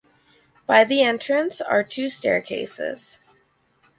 By the entrance are two staircases.